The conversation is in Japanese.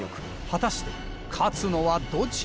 果たして勝つのはどちらか？